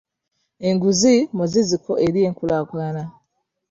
Enguzi muziziko eri enkulaakulana.